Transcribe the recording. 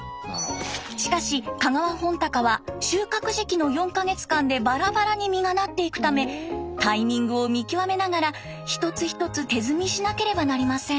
しかし香川本鷹は収穫時期の４か月間でバラバラに実がなっていくためタイミングを見極めながら一つ一つ手摘みしなければなりません。